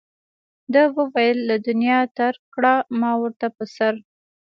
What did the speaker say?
ده وویل له دنیا ترک کړه ما ورته په سر.